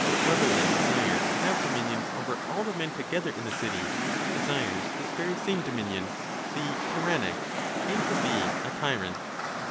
Whoever then desires to have dominion over all the men together in the city, desires this very same dominion, the tyrannic, and to be a tyrant.